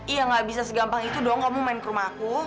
iya gak bisa segampang itu dong kamu main ke rumah aku